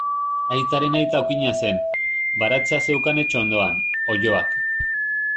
Aitaren aita okina zen, baratzea zeukan etxe ondoan, oiloak.